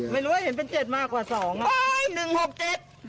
แม่ถูกแม่วันนี้ถูกแม่